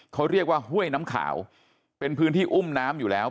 เขาเรียกว่าห้วยน้ำขาวเป็นพื้นที่อุ้มน้ำอยู่แล้ว